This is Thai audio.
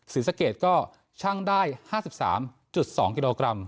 ศรีสะเกดก็ช่างได้๕๓๒กิโลกรัม